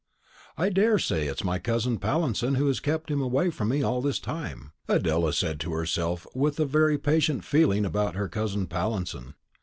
"I daresay it is my cousin Pallinson who has kept him away from me all this time," Adela said to herself with a very impatient feeling about her cousin Pallinson.